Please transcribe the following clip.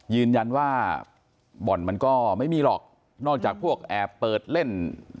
ยืนยันว่าบ่อนมันก็ไม่มีหรอกนอกจากพวกแอบเปิดเล่น